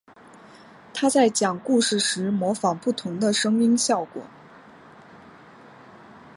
他在讲故事时模仿不同的声音效果。